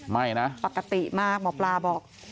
ไม่นะปกติมากหมอปลาบอก